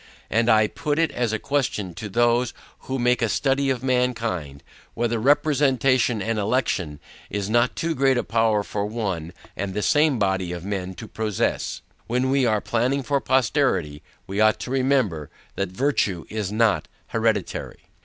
And I put it as a question to those, who make a study of mankind, whether REPRESENTATION AND ELECTION is not too great a power for one and the same body of men to possess? When we are planning for posterity, we ought to remember, that virtue is not hereditary.